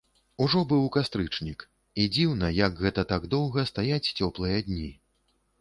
Ужо быў кастрычнік, і дзіўна, як гэта так доўга стаяць цёплыя дні.